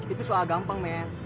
itu soal gampang men